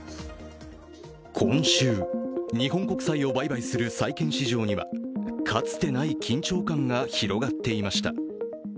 今週、日本国債を売買する債券市場にはかつてない緊張感が広がっていました。